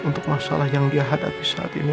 untuk masalah yang dia hadapi saat ini